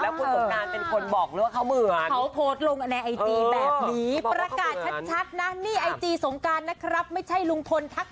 แล้วคุณสงการเป็นคนบอก